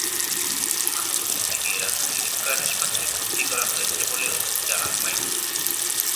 আহত মন্ত্রীকে রাজধানীর স্কয়ার হাসপাতালে ভর্তি করা হয়েছে বলেও জানান মাইদুল।